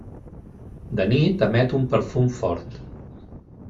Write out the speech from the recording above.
De nit emet un perfum fort.